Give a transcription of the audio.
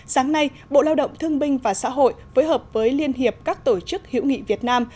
sáng nay bộ lao động thương binh và xã hội phối hợp với liên hiệp các tổ chức hiểu nghị việt nam